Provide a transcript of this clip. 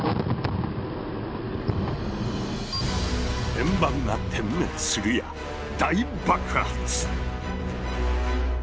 円盤が点滅するや大爆発。